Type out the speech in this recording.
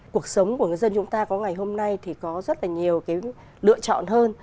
cuộc sống của người dân chúng ta có ngày hôm nay thì có rất là nhiều cái lựa chọn hơn